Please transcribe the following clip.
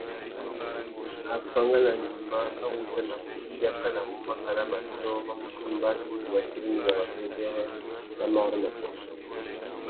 Afánganangüima a wú udjanamú, i yakanamú makana matiō mà mù tumba indi wa tirimiya wabêbêrê nà marru matê.